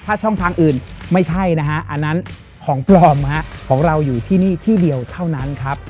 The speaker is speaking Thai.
ถ้าช่องทางอื่นไม่ใช่นะฮะอันนั้นของปลอมของเราอยู่ที่นี่ที่เดียวเท่านั้นครับ